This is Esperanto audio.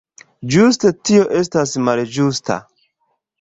Ĝuste tio estas malĝusta.